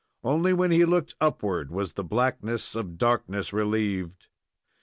Only when he looked upward was the blackness of darkness relieved.